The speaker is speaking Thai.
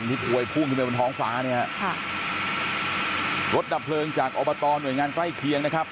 ท้องฟ้าเนี้ยค่ะรถดับเพลิงจากอบตรหน่วยงานใกล้เคียงนะครับ